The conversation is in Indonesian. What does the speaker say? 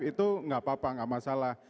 itu enggak apa apa enggak masalah